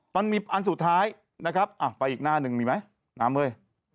มันมีอันสุดท้ายนะครับไปอีกหน้าหนึ่งมีไหมน้ำเฮ้ย